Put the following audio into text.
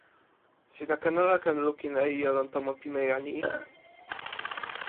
sina ken ala ken lukin e ijo lon tomo pimeja ni?